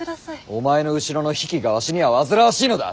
お前の後ろの比企がわしには煩わしいのだ。